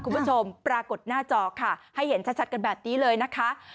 คุณผู้ชมปรากฏหน้าจอค่ะให้เห็นชัดกันแบบนี้เลยนะคะ